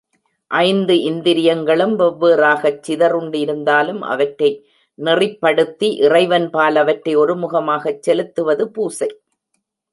ஐந்து இந்திரியங்களும் வெவ்வேறாகக் சிதறுண்டு இருந்தாலும் அவற்றை நெறிப் படுத்தி இறைவன்பால் அவற்றை ஒருமுகமாகச் செலுத்துவது பூசை.